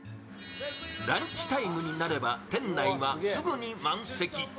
ランチタイムになれば店内はすぐに満席。